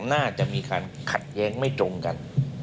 น่าจะมีการขัดแย้งไม่ตรงกัน